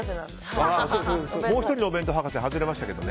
もう１人のお弁当博士は外れましたけど。